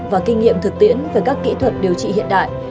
và kinh nghiệm thực tiễn về các kỹ thuật điều trị hiện đại